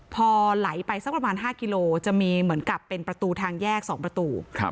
พอไหลไปสักประมาณ๕กิโลจะมีเหมือนกับเป็นประตูทางแยก๒ประตู